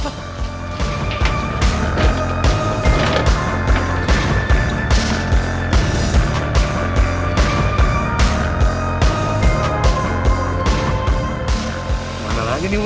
kan sama orang aja duh